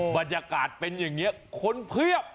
บรรยากาศเป็นอย่างนี้คนเพียบ